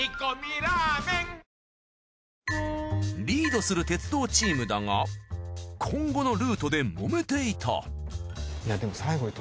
リードする鉄道チームだが今後のルートでもめていた。